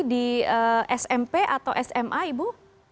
di smp atau sma ibu